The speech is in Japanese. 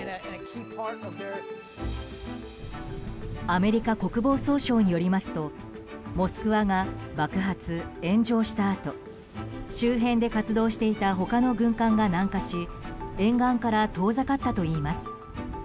アメリカ国防総省によりますと「モスクワ」が爆発・炎上したあと周辺で活動していた他の軍艦が南下し沿岸から遠ざかったといいます。